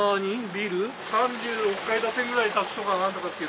ビル３６階建てぐらい建つとか何とかって。